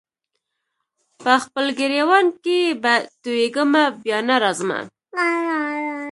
په خپل ګرېوان کي به تویېږمه بیا نه راځمه